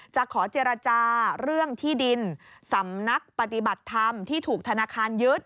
จะขอเจรจาเรื่องที่ดินสำนักปฏิบัติธรรมที่ถูกธนาคารยึด